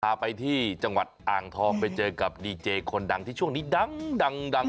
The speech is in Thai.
พาไปที่จังหวัดอ่างทองไปเจอกับดีเจคนดังที่ช่วงนี้ดัง